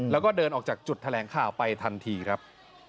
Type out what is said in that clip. แล้วก็เดินออกจากจุดแถลงข่าวไปทันทีครับ